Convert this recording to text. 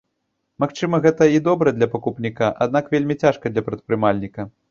Магчыма, гэта і добра для пакупніка, аднак вельмі цяжка для прадпрымальніка.